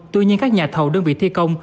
tuy nhiên các nhà thầu đơn vị thi công